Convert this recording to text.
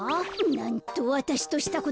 なんとわたしとしたことが。